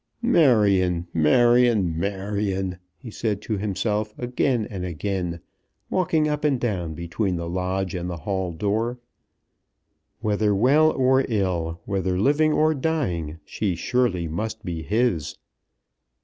"Marion, Marion, Marion," he said to himself again and again, walking up and down between the lodge and the hall door. Whether well or ill, whether living or dying, she surely must be his!